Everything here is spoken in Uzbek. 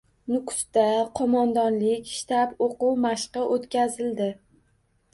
Nukusda qo‘mondonlik-shtab o‘quv mashqi o‘tkazildi